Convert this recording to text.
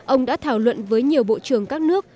ông đã thảo luận với nhiều bộ trưởng các nước